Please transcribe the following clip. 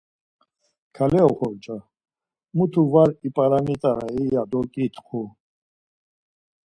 Kale oxorca, mutu var ip̌aramitarei ya do ǩitxu.